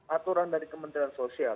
aturan dari kementerian sosial